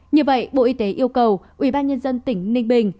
như vậy bộ y tế yêu cầu ubnd tỉnh ninh bình